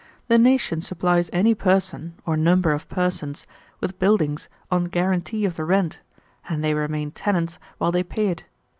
The nation supplies any person or number of persons with buildings on guarantee of the rent, and they remain tenants while they pay it.